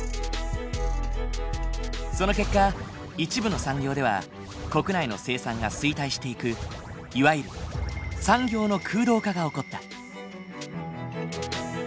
その結果一部の産業では国内の生産が衰退していくいわゆる産業の空洞化が起こった。